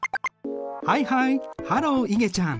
はいはいハローいげちゃん。